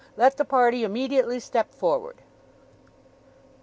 Let the party immediately step forward."